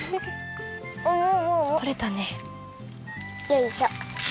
よいしょ！